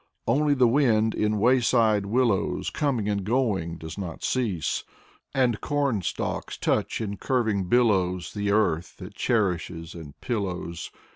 Only the wind in wayside willows, Coming and going, does not cease; And corn stalks touch in curving billows The earth that cherishes and pillows.